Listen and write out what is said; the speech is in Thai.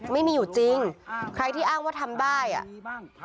ไม่มีอยู่จริงใครที่อ้างว่าทำได้อ่ะ